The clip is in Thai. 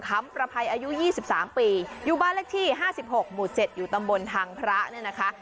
คำประภัยอายุยี่สิบสามปีอยู่บ้านเลขที่ห้าสิบหกหมู่เจ็ดอยู่ตำบลทางพระเนี่ยนะคะ